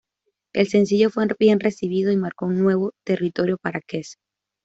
El sencillo fue bien recibido y marcó un nuevo territorio para Kes.